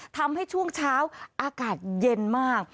ทำให้ช่วงเช้าอากาศเย็นมาก